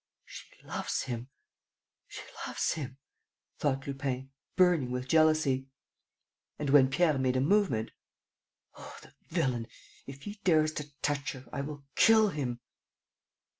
"She loves him ... she loves him," thought Lupin, burning with jealousy. And, when Pierre made a movement: "Oh, the villain! If he dares to touch her, I will kill him!"